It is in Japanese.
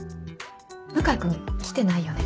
向井君来てないよね？